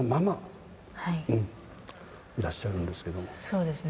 そうですね。